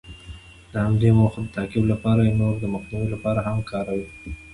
د همدې موخو د تعقیب لپاره یې د نورو د مخنیوي لپاره هم کاروي.